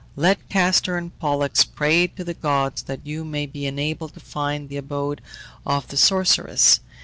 Let Castor and Pollux pray to the gods that you may be enabled to find the abode of the sorceress."